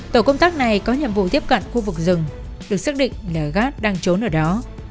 tổ công tác này có nhiệm vụ tiếp cận khu vực rừng được xác định là gác đang trốn ở đó